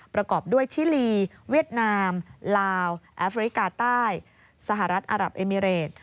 ประกอบด้วยชิลีเวียดนามลาวแอฟริกาใต้สหรัฐอารับเอมิเรต